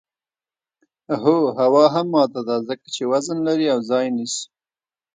هو هوا هم ماده ده ځکه چې وزن لري او ځای نیسي.